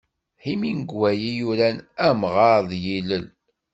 D Hemingway i yuran " Amɣar d yillel".